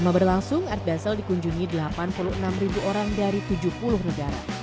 selama berlangsung art basel dikunjungi delapan puluh enam ribu orang dari tujuh puluh negara